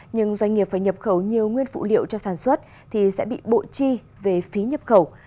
nhưng doanh nghiệp phải nhập khẩu nhiều nguyên phụ liệu cho sản xuất thì sẽ bị bộ chi về phí nhập khẩu